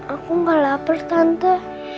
aku gak lapar tante